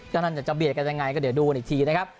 นั่นจะเบียดกันยังไงก็เดี๋ยวดูกันอีกทีนะครับ